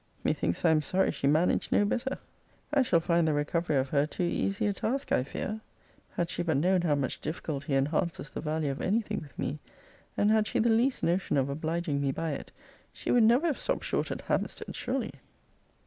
Methinks I am sorry she managed no better! I shall find the recovery of her too easy a task, I fear! Had she but known how much difficulty enhances the value of any thing with me, and had she the least notion of obliging me by it, she would never have stopt short at Hampstead, surely.